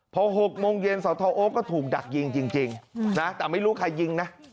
พอ๖โมงเย็นสทโอ๊คก็ถูกดักยิงจริงนะแต่ไม่รู้ใครยิงนะ